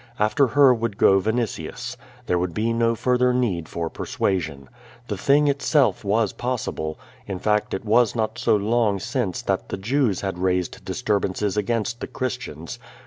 After her would go Vinitius. Tliere would be no further need for persuasion. The thing itself was ]>ossible. In fact, it was not so long since that the Jews had raised disturbances against the Christians.